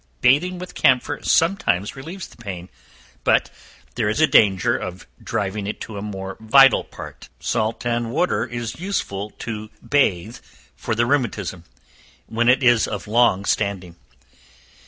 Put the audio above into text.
Bathing with camphor sometimes relieves the pain, but there is a danger of driving it to a more vital part. Salt and water is useful to bathe for the rheumatism, when it is of long standing.